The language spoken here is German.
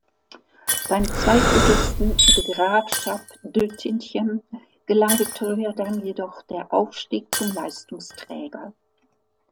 Beim Zweitligisten De Graafschap Doetinchem gelang Victoria dann jedoch der Aufstieg zum Leistungsträger.